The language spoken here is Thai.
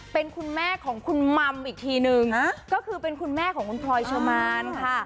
เป็นคุณแม่ของคุณมัมอีกทีนึงก็คือเป็นคุณแม่ของคุณพลอยเชอร์มานค่ะ